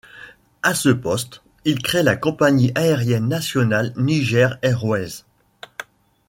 À ce poste, il crée la compagnie aérienne nationale Niger Airways.